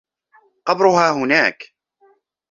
قبرها هناك.